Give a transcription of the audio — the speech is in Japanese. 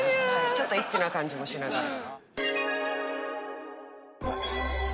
ちょっとエッチな感じもしながら。